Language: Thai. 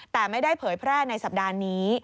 แต่ไม่ได้เผยแพร่ในสัปดาห์นี้